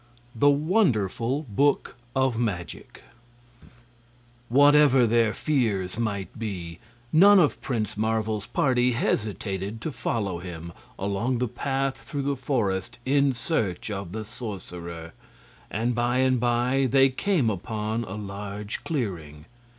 The Wonderful Book of Magic Whatever their fears might be, none of Prince Marvel's party hesitated to follow him along the path through the forest in search of the sorcerer, and by and by they came upon a large clearing.